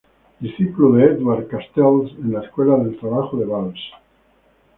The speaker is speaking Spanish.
Discípulo de Eduard Castells, en La Escuela del Trabajo de Valls.